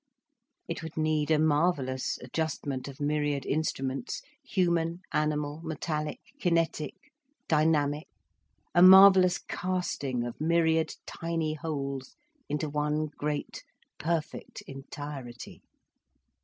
It would need a marvellous adjustment of myriad instruments, human, animal, metallic, kinetic, dynamic, a marvellous casting of myriad tiny wholes into one great perfect entirety.